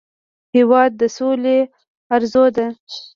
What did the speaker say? هېواد د سولې ارزو ده.